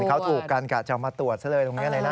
เห็นเค้าถูกกันก็จะเอามาตรวจซะเลย